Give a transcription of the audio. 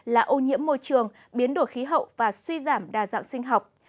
là ô nhiễm môi trường biến đổi khí hậu và suy giảm đa dạng sinh học